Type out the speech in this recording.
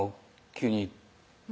急に」